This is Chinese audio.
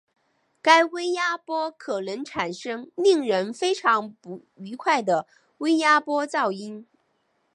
该微压波可能产生令人非常不愉悦的微压波噪音。